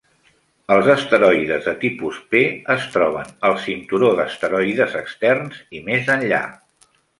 Els asteroides de tipus P es troben al cinturó d'asteroides externs i més enllà.